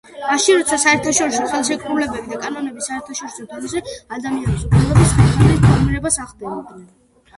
მაშინ როცა საერთაშორისო ხელშეკრულებები და კანონები საერთაშორისო დონეზე ადამიანის უფლებების ხერხემლის ფორმირებას ახდენენ.